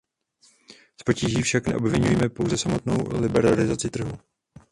Z potíží však neobviňujeme pouze samotnou liberalizaci trhu.